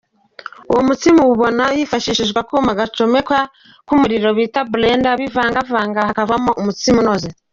Uwo mutsima awubona yifashishije akuma gacomekwa ku muriro kitwa “Blender” kabivangavavanga hakavamo umutsima unoze.